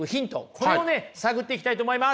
これをね探っていきたいと思います。